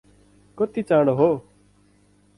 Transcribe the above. कति चाँडो हो?